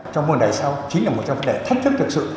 trong mùa này sau chính là một trong vấn đề thách thức thực sự